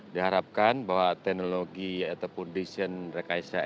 diharapkan bahwa teknologi ataupun desain rekaise energi